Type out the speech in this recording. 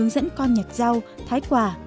là con nhặt rau thái quả